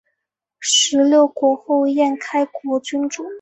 十六国后燕开国君主。